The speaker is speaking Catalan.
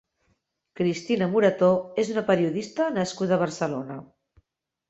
Cristina Morató és una periodista nascuda a Barcelona.